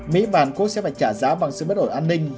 vì vậy mỹ và hàn quốc sẽ phải trả giá bằng sự bất ổn an ninh